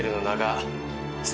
「何が？」